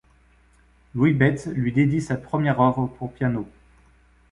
Louis Beydts lui dédie sa première œuvre pour piano.